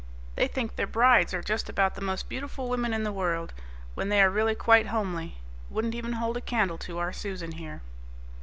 They think their brides are just about the most beautiful women in the world, when they are really quite homely wouldn't even hold a candle to our Susan here."